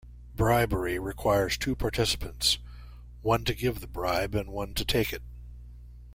Bribery requires two participants: one to give the bribe, and one to take it.